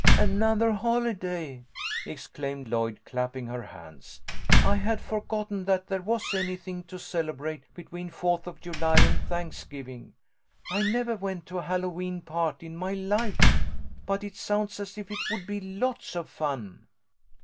" Another holiday !" exclaimed Lloyd, clapping her hands. " I had forgotten that there was any thing to celebrate between Fourth of July and Thanksgiving. I never went to a Hallowe'en party in my life, but it sounds as if it would be lots of fun."